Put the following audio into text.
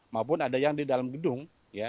maupun ada yang di dalam gedung